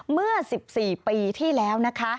เมื่อ๑๔ปีที่แล้วนะคะ